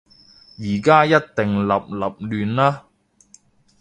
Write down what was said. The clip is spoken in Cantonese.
而家一定立立亂啦